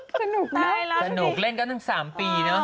สนุกไหมสนุกเล่นกันตั้ง๓ปีเนาะ